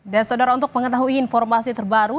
dan saudara untuk mengetahui informasi terbaru